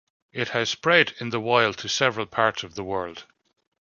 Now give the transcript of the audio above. It has spread in the wild to several parts of the world.